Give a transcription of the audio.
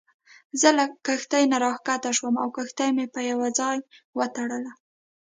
زه له کښتۍ نه راکښته شوم او کښتۍ مې په یوه ځای وتړله.